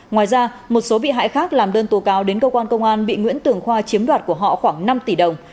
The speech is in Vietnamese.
ngoài ra một số bị hại khác làm đơn tố cáo đến cơ quan công an bị nguyễn tường khoa chiếm đoạt của họ khoảng năm tỷ đồng